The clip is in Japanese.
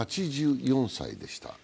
８４歳でした。